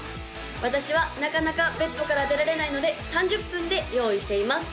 私はなかなかベッドから出られないので３０分で用意しています